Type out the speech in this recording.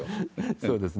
そうですね。